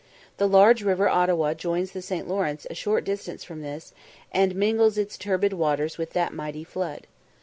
The large river Ottawa joins the St. Lawrence a short distance from this, and mingles its turbid waters with that mighty flood.